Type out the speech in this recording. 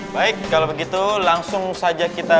baik kalau begitu langsung saja kita